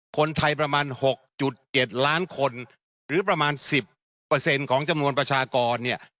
คนไทยประมาณหกจุดเก็ดล้านคนหรือประมาณสิบเปอร์เซ็นต์ของจำนวนประชากรเนี่ย